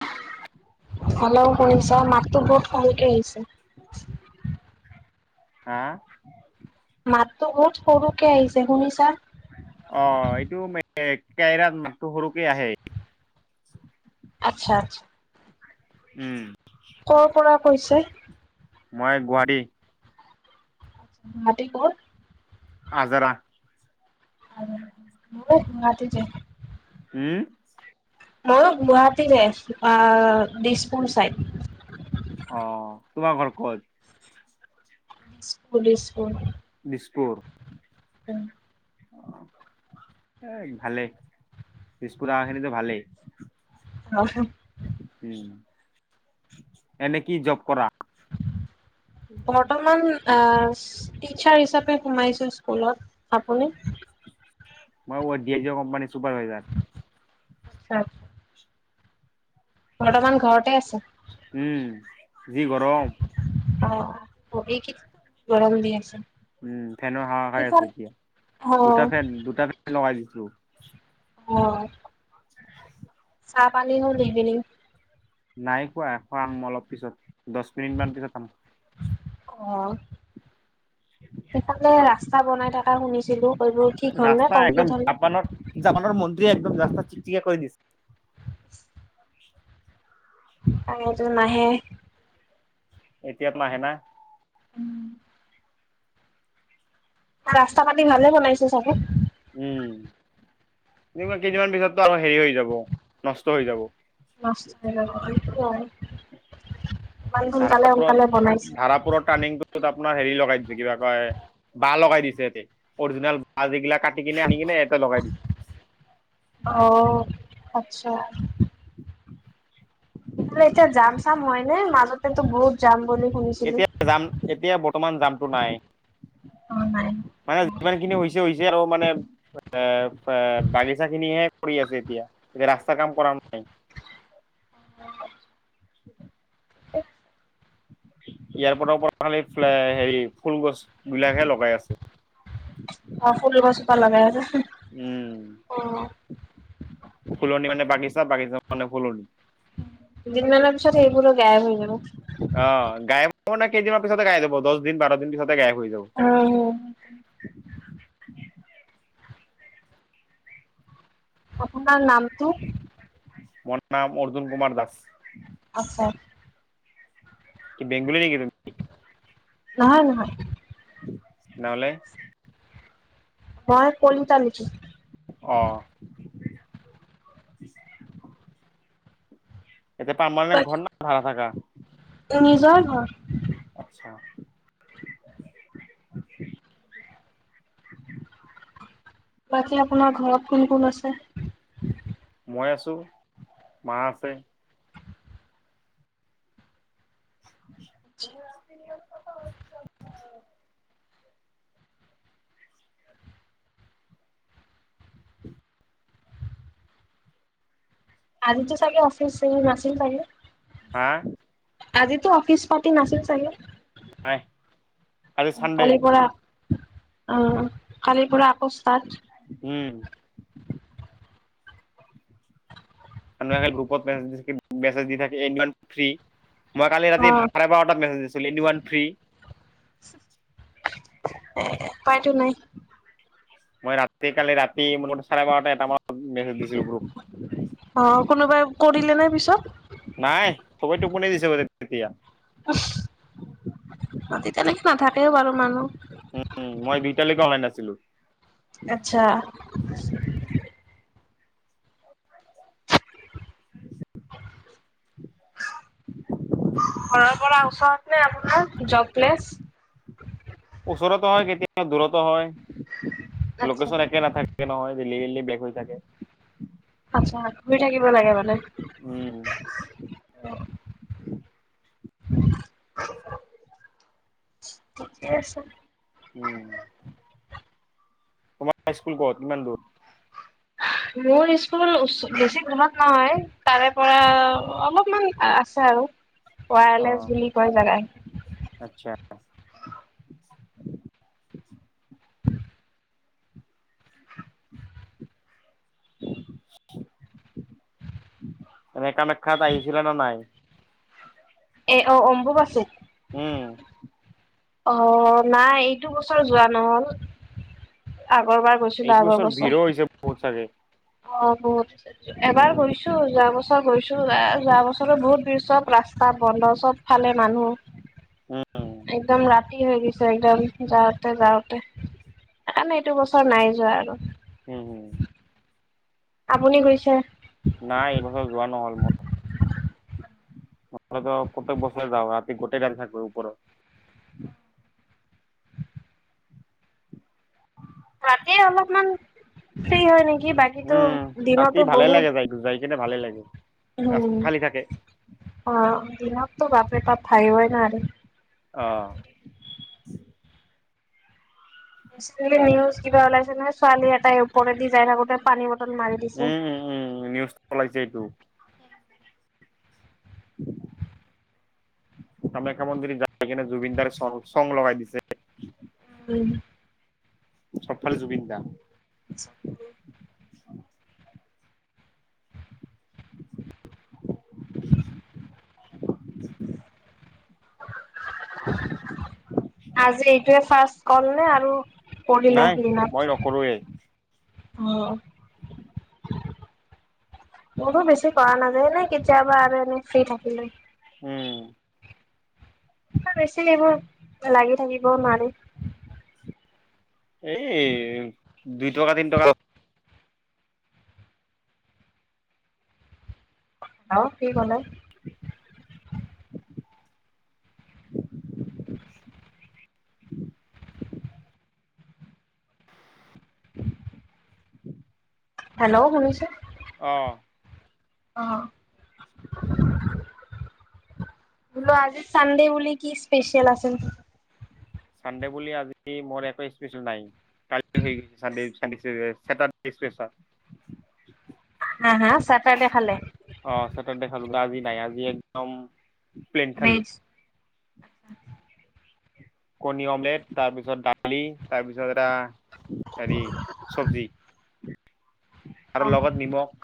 Hello. অলপ অহ। শুনিছা মাততো বহুত কমকে আহিছে। হা? মাততো বহুত সৰুকে আহিছে শুনিছা? অ', এইটো কাইৰাত মাততো সৰুকে আহে। আচ্ছা আচ্ছা। উম'। কৰ পৰা কৈছে? মই গুৱাহাটী। হাটি ক'ত? আজাৰা। মোক কোৱা তুমি। উম? মই গুৱাহাটীৰে অ', দিছপুৰ চাইড। অ', তোমাৰ ঘৰ কত? School school. দিছপুৰ? উম। এ ভালেই ডিছপুৰ আহাখিনিতো ভালেই। মাকছম। উম', এনে কি জব কৰা? বৰ্তমান আহ টিচাৰ হিচাপে সোমাইছো স্কুলত আপুনি? মই কুম্পানীৰ চুপাৰভাইছাৰ। হয়। বৰ্তমান ঘৰতে আছে। উম যি গৰম। অ', হবি কি গৰম দি আছে। উম', ফেনৰ হাৱা খাই আছো ইফাল এতিয়া অ দুটা ফেন দুটা ফেন লগাই দিছিলো। হয়। চাহ পানী হ'ল নিগিলি। নাই খোৱা খাম অলপ পিছত, দহ মিনিট মান পিছত খাম। অ'। সেইফালে ৰাস্তা বনাই থকা শুনিছিলো সবোৰ ঠিক হ'ল নে কমপ্লিট হ'ল? বনত জাপানৰ মন্ত্ৰীয়ে একদম ৰাস্তা চিক চিকীয়া কৰি দিছে। নাহে। এতিয়াত নাহে না। উম। ৰাস্তা পাতি ভালে বনাইছে চাগে? উম, কেইদিনমান পিছততো আৰু হেৰি হৈ যাব, নষ্ট হৈ যাব। নষ্ট হৈ যাব, ইমান সোনকালে সোনকালে বনাইছে। ত আপোনাৰ হেৰি লগাই দিছে কিবা কয়। বাঁহ লগাই দিছে ইয়াতে অৰিজিনেল বাঁহ যিগিলা কাটি কিনে আনি কিনে ইয়াতে লগাই দিছে। অ' আচ্ছা। সেইফালে এতিয়া যাম চাম হয় নে, মাজতে তো বহুত যাম বুলি শুনিছিলো। এতিয়া যাম এতিয়া বৰ্তমান জামটো নাই, অ নাই মানে যিমানখিনি হৈছে হৈছে আৰু মানে এ বাগিচা খিনিহে পৰি আছে এতিয়া, এতিয়া ৰাস্তা কাম কৰা নাই। হয়। ইয়াৰ পৰা খালি হেৰি ফুল গছ বিলাকহে লগাই আছে। অ' ফুল গছ যোপা লগাই আছে, উম অ'। ফুলনি মানে বাগিচা বাগিচা মানে ফুলনি। দুদিনমানৰ পিছত এইবোৰো গায়ব হৈ যাব। অ' গায়ৱ মানে কেইদিনৰ পিছতে গায়ব হৈ যাব দহ দিন বাৰ দিন পিছতে গায়ৱ হৈ যাব। অ'। [unintelligible] আপোনাৰ নামটো? মোৰ নাম অৰ্জুন কুমাৰ দাস। আছে। কি বেংগলি নেকি তুমি? নহয় নহয়। নহ'লে? মই কলিতা নেকি? অ'। এয়া মানে ঘৰ নে ভাৰা থাকা? নিজৰ ঘৰ। আচ্ছা। বাকী আপোনাৰ ঘৰত কোন কোন আছে? মই আছোঁ, মা আছে। [unintelligible] [unintelligible] [unintelligible] আজি টো চাগে অফিচ নাছিল চাগে? হা? আজিতো অফিচ পাতি নাছিলো চাগে, নাই আজি চানডে কালিৰ পৰা অ' কালিৰ পৰা আকৌ ষ্টাৰ্ট। উম। মানুহে গ্ৰুপত মে, [unintelligible] মেছেজ দি থাকে, এই ইমান থ্ৰী মই কালি অ ৰাতি [unintelligible] বাৰটাত মেছেজ দিছোঁ, এণ্ড ওৱান ফ্ৰী। এ উপাইতো নাই। মই ৰাতি, কালি ৰাতি, মোৰ চাৰে বাৰটা এটামানত মেচেজ দিছিলো গ্ৰুপ। অ', কোনোবাই কৰিলেনে পিছত? নাই, সবেই টোপনি দিছে [unintelligible] তেতিয়া। উহ, ৰাতি তেনেকে নাথাকেও বাৰু মানুহ। উম, মই দুইটালৈকে অনলাইন আছিলো। আচ্ছা। [unintelligible] ঘৰৰ পৰা ওচৰত নে আপোনাৰ জব প্লেচ? ওচৰতো হয়, কেতিয়াবা দূৰতো হয়, আচ্ছা লোকেশ্যন একে নাথাকে। একে নহয়, ডেইলী ডেইলী বেলেগ হৈ থাকে। আচ্ছা, ঘূৰি থাকিব লাগে মানে। উম। [unintelligible] ঠিকেই আছে। উম, তোমাৰ স্কুল ক'ত? কিমান দূৰ? মোৰ স্কুল উচ, বেছি দুৰত নহয়, তাৰেপৰা অলপমান আছে আৰু। অ পয়ালেছ বুলি কয় জেগা। আচ্ছা'। এনেই কামাখ্যাত আহিছিলা নে নাই? এ অ', অম্বুবাচি? উম। অ', নাই, এইটো বছৰ যোৱা নহ'ল, আগৰবাৰ এইটো বছৰত ভিৰো হৈছে বহুত চাগে। অ', বহুত, এবাৰ উম গৈছো, যোৱা বছৰ গৈছো। যোৱা বছৰো বহুত ভিৰ, চব ৰাস্তা বন্ধ চব ফালে মানুহ। উম একদম ৰাতি হৈ গৈছে একদম। যাওঁতে যাওঁতে, সেইকাৰণে এইটো বছৰ নাই যোৱা আৰু। উম, উম। আপুনি গৈছে? নাই, এইবছৰ যোৱা নহ'ল মোৰ। [unintelligible] প্ৰত্যেক বছৰেই যাওঁ, ৰাতি গোটেই টাইম থাকিব ওপৰত। ৰাতি অলপমান ফ্ৰী হয় নেকি বাকীতো উম, দিনতো ৰাতি ভালে বহুত লাগে যাই, যাই কিনে ভালে লাগে। ৰাস্তা উম খালী থাকে। অ', দিনতটো বাপৰে, তাত থাকিবই নোৱাৰি। অহ। নিউজ কিবা ওলাইছে ন, ছোৱালী এটাই ওপৰেদি যাই থাকোতে পানী বটল মাৰি দিছে। উম উম, নিউজ উলাইছে এইটো। কামাখ্যা মন্দিৰ যায় কিনে জুবিনদাৰ চংগ লগাই দিছে। উম। চবফালে জুবিন দা। [unintelligible] [inaudible] [inaudible] আজি এইটোৱেই ফাষ্ট কল নে, আৰু কৰিলে নাই দিনত? মই নকৰোয়ে। অ। মোৰো বেছি কৰা নাযায় না, কেতিয়াবা আৰু এনে ফ্ৰি থাকিলে। উম। বেছি এইবোৰ লাগি থাকিবও নোৱাৰি। এই দুই টকা, তিন টকা। আৰু কি ক'লে [inaudible] [inaudible] [inaudible] হেল্ল' শুনিছে অ'। অ'। [inaudible] বোলো আজিৰ চানডে বুলি কি স্পেচিয়েল আছে চানডে বুলি আজি কি মোৰ একো স্পেচিয়েল নাই। চানডে কেইটাট। হা, হা, চাহ- তাহ এনে খালে। অ', দেখালো বা আজি নাই আজি একদম প্লেন খালো। ভেজ? কৰ্ণী, অমলেট তাৰপিছত ডালি, তাৰপিছত এটা হেৰি, চবজি আৰু লগত নিমখ।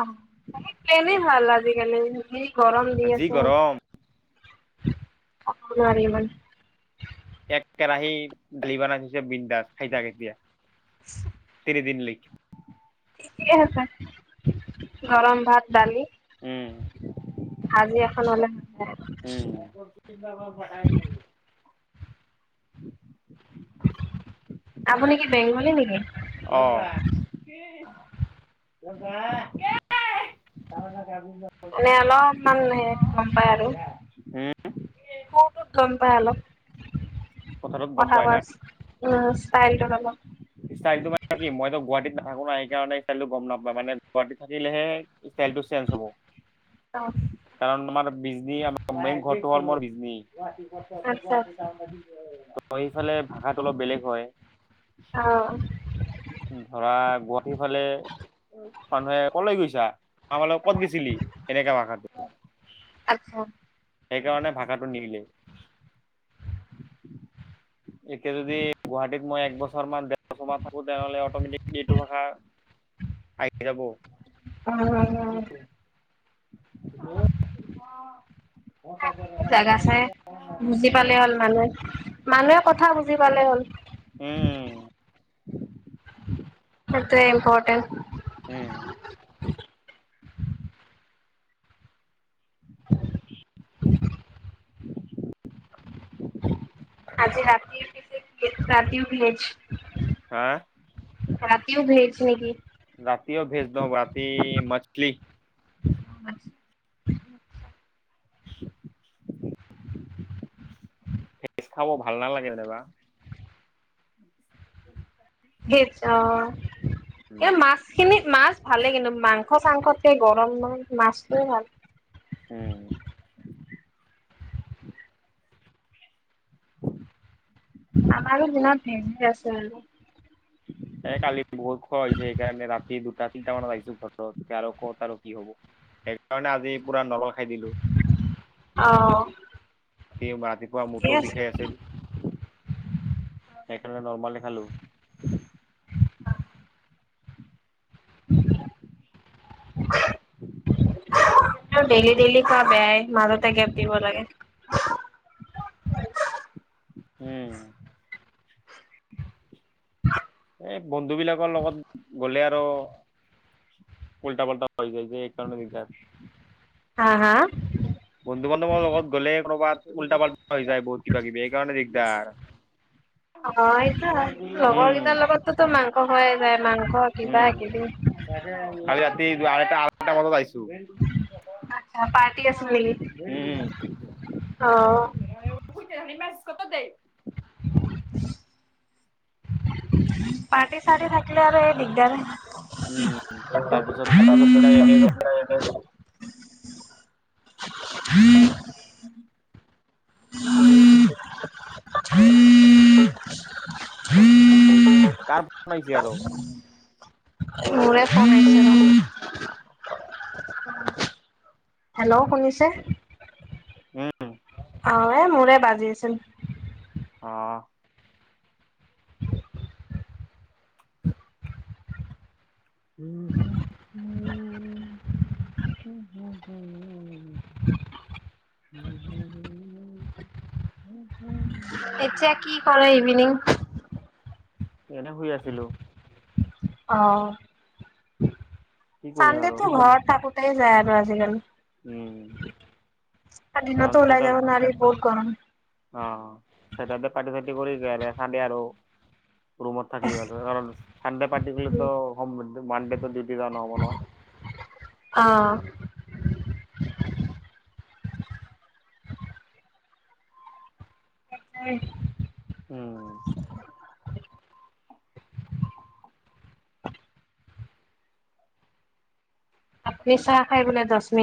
আআহাহ প্লেনে ভাল আজিকালি গৰম দি যি আছে, গৰম নোৱাৰী ইমান। এক কেৰাহী দালি বনাই থৈছে, বিনদাজ খাই থাক এতিয়া। [inaudible] তিনি দিন লৈকে। ঠিকে আছে, গৰম ভাত-দালি। উম। আজি এখন হ'লে কিবা কোৱা পঠাই দিলো। আপুনি কি, বেংগলী নেকি? অ'। [unintelligible] মানে আমাও অলপমান হেৰীত গম পায় আৰু। উম মোৰো গম পাই অলপ। কথাটোত গম কথা পাই না। কোৱাৰ উম, ষ্টাইলটোত অলপ। ষ্টাইলটো মানে কি, মইতো গুৱাহাটীত নাথাকো না, সেইকাৰণে ষ্টাইলটো গম নাপাই। মানে গুৱাহাটীত থাকিলেহে ষ্টাইলটো চেঞ্জ হ'ব। অ'। কাৰণ আমাৰ বিজনি, মেইন ঘৰটো হল বিজনী। আচ্ছা আচ্ছা আমৰ ইফালে ভাষাটো অলপ বেলেগ হয়। অ'। ধৰা গুৱাহাটীৰ ফালে মানুহে কলৈ গৈছা আমাল ক'ত গৈছিলি এনেকা ভাষাটো। [unintelligible] সেইকাৰণে ভাষাটো নিমিলে। [unintelligible] এতিয়া যদি গুৱাহাটীত মই এক বছৰ মান [unintelligible] [unintelligible] থাকো তেনেহলে অটমেটিকলি এইটো ভাষা আহি যাব। হুম, হুম, হুম। জেগা চাই [unintelligible] বুজি উম পালে হ'ল মানুহে, মানুহে কথা বুজি পালে হ'ল। উম। সেইটোৱে ইম্পৰ্টেণ্ট। উম। [unintelligible] আজি ৰাতি হা [unintelligible] ৰাতিও [unintelligible] ৰাতিও ভেজ দ, ৰাতি মছলি। [unintelligible] সেইটো খাব ভাল নালাগে যেনেবা। ভেজ অঁ'। উম এই মাছখিনি মাছ ভালে কিন্তু মাংস চাংসকে গৰম মাছটোৱে ভাল। উম। আমাৰ [unintelligible] এ কালি বহুত খোৱা হৈছে সেইকাৰণে ৰাতি দুটা তিনিটা মানত আহিছো ঘৰত আৰু ক'ত আৰু কি হ'ব। সেইকাৰণে আজি পুৰা নৰল খাই দিলো। অঁ। [unintelligible] ৰাতিপুৱা মূৰটো বিষাই আছিল, সেইকাৰণে নৰ্মেলে খালো। ডেইলি ডেইলি খোৱা বেয়াই। মাজতে গেপ দিব লাগে। উমঁ। এই বন্ধু বিলাকৰ লগত গ'লে আৰু- উল্টা পাল্টা হৈ যায় যে এইকাৰণে দিকদাৰ। হা হা? বন্ধু বান্ধৱৰ লগত গ'লে কোনোবাত উল্টা পাল্টা হৈ যায় বহুত কিবা-কিবি এইকাৰণে দিগদাৰ। অঁ। অঁ' এইটো হয়, লগৰ উম। কেইটাৰ লগততো মাংস খোৱাই যায় মাংস কিবা উম, কিবি। কালি ৰাতি [unintelligible] আঠটা বজাত আহিছো। পাৰ্টি আছিল নেকি, উম, অঁহ'। [unintelligible] [inaudible] পাৰ্টি-চাৰ্টি থাকিলে আৰু এই দিগদাৰ। উম। তাৰপিছত তাৰপিছত দিনা এনে [unintelligible] [unintelligible] [unintelligible] [unintelligible] কাৰ ফোন আহিছে আৰু [unintelligible] [unintelligible] হেল্ল' শুনিছে? উম। অঁ' এ মোৰে বাজি আছিল। অঁ। [inaudible] উমঁ। [unintelligible] [unintelligible] [unintelligible] এতিয়া কি কৰে ইভিনিং? এনে শুই আছিলোঁ। অঁ' কি কৰিম আৰু চানডেটো ঘৰত থাকোঁতে যায় আৰু আজিকালি। উম দিনটো ওলাই যাব নোৱাৰি বহুত গৰম। অঁ' যতে ততে পাৰ্টি চাৰ্টি কৰি বেয়া বেয়া থাকে আৰু। ৰুমত থাকিলেও ধৰ কাৰণ চানডে পাৰ্টি কৰিলেটো সোম মানডেটো ডিউটি যোৱা নহ'ব নহয়। অঁ। [unintelligible] উমঁ। আপুনি চাহ খাই বোলে দশ মিনিট।